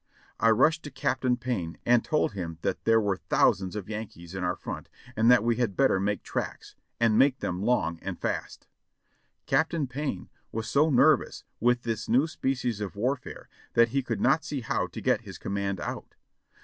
I rushed to Captain Payne and told him that there were thousands of Yankees in our front, and that we had better make tracks — and make them long and fast. Cap tain Payne was so nervous with this new species of warfare that he could not see how to get his command out.